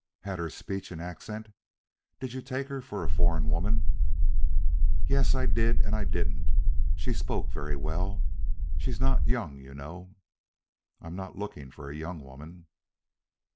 "Had her speech an accent? Did you take her for a foreign woman?" "Yes, I did and I didn't. She spoke very well. She's not young, you know?" "I'm not looking for a young woman."